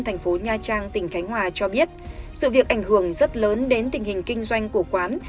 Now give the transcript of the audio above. thành phố nha trang tỉnh khánh hòa cho biết sự việc ảnh hưởng rất lớn đến tình hình kinh doanh của quán